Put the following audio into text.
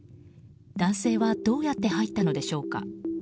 男性はどうやって入ったのでしょうか。